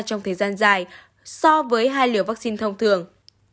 trong thời gian dài so với hai liều vaccine thông thường